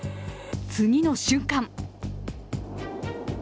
次の瞬間